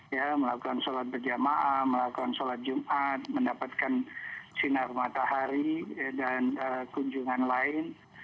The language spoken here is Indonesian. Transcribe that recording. ya melakukan sholat berjamaah melakukan sholat jumat mendapatkan sinar matahari dan kunjungan lain